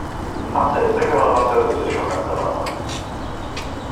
Abseits der Kameras hörte es sich schon ganz anders an.